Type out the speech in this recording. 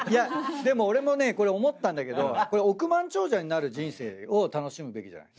でも俺もね思ったんだけどこれ億万長者になる人生を楽しむべきじゃない？